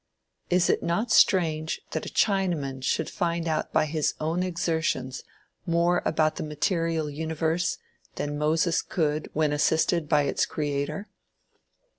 Is it not strange that a Chinaman should find out by his own exertions more about the material universe than Moses could when assisted by its Creator?